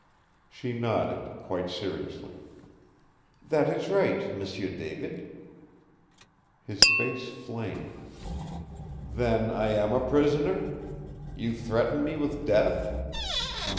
She nodded, quite seriously. "That is right, M'sieu David." His face flamed. "Then I am a prisoner? You threaten me with death?"